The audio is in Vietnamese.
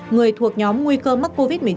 người thuộc nhóm nguy cơ mắc covid một mươi chín